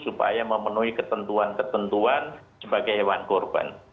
supaya memenuhi ketentuan ketentuan sebagai hewan korban